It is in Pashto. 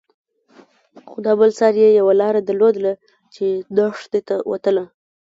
خو دا بل سر يې يوه لاره درلوده چې دښتې ته وتله.